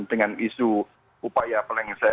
dengan isu upaya penggantian